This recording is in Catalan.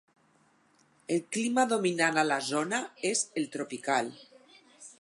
El clima dominant a la zona és el tropical.